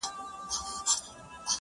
o گوره ځوانـيمـرگ څه ښـه وايــي ـ